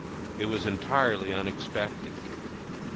It was entirely unexpected.